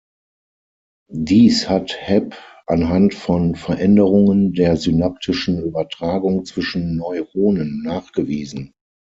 Dies hat Hebb anhand von Veränderungen der synaptischen Übertragung zwischen Neuronen nachgewiesen.